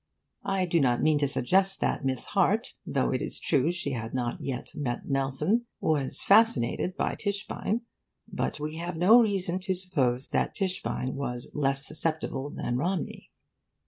I do not mean to suggest that Miss Harte though it is true she had not yet met Nelson was fascinated by Tischbein. But we have no reason to suppose that Tischbein was less susceptible than Romney.